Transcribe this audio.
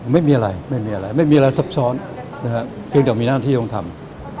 ไม่มีอะไรไม่มีอะไรไม่มีอะไรซับซ้อนนะฮะเพียงแต่มีหน้าที่ต้องทำ